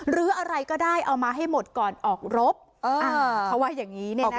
หรืออะไรก็ได้เอามาให้หมดก่อนออกรบเขาว่าอย่างนี้